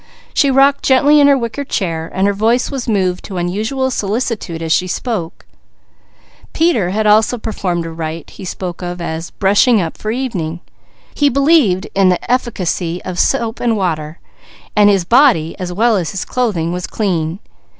She rocked gently in her wicker chair, while her voice was moved to unusual solicitude as she spoke. Peter also had performed a rite he spoke of as "brushing up" for evening. He believed in the efficacy of soap and water, so his body, as well as his clothing, was clean.